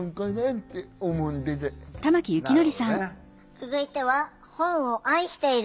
続いては本を愛している。